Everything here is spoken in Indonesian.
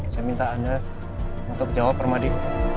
saya minta anda untuk jawab permadi